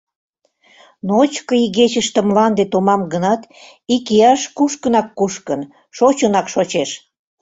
Ночко игечыште мланде томам гынат, икияш кушкынак-кушкын, шочынак-шочеш.